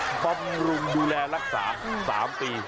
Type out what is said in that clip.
บำรุงดูแลรักษา๓ปี